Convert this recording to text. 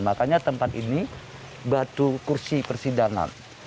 makanya tempat ini batu kursi persidangan